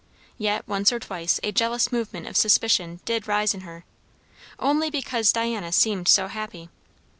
Yet once or twice a jealous movement of suspicion did rise in her, only because Diana seemed so happy.